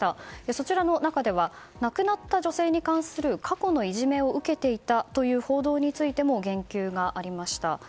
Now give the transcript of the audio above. そちらの中では亡くなった女性に関する過去のいじめを受けていたという報道についても言及がありました。